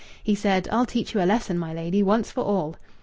He said, "I'll teach you a lesson, my lady, once for all."